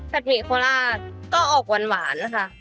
ผัดมีโคลาก็ออกหวานค่ะ